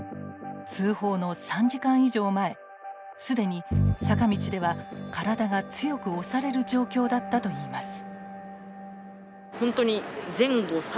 通報の３時間以上前すでに、坂道では体が強く押される状況だったといいます。